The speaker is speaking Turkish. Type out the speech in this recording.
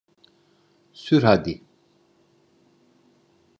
Sür hadi!